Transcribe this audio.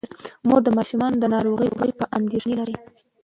مور د ماشومانو د ناروغۍ په اړه اندیښنه لري.